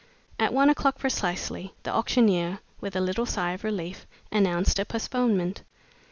At one o'clock precisely, the auctioneer, with a little sigh of relief, announced a postponement.